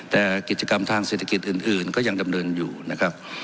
แต่กิจกรรมทางเศรษฐกิจอื่นก็ยังดำเนินอยู่นะครับ